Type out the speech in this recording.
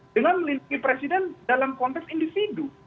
dengan melindungi presiden dalam konteks individu